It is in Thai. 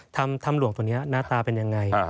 ถ้ำหลวงตัวนี้หน้าตาเป็นยังไง